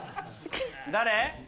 誰？